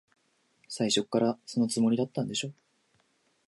最初っから、そのつもりだったんでしょ。